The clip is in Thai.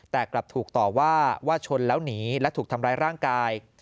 แต่กลับถูกต่อว่าว่าชนแล้วหนีและถูกทำร้ายร่างกาย